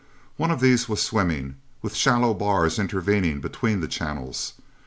One of these was swimming, with shallow bars intervening between the channels.